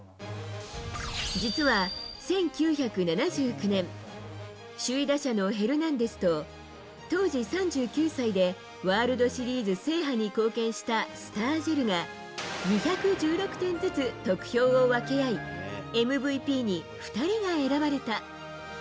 実は１９７９年、首位打者のヘルナンデスと、当時３９歳でワールドシリーズ制覇に貢献したスタージェルが、２１６点ずつ得票を分け合い、ＭＶＰに２人が選ばれた。